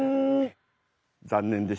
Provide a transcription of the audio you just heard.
残念でした。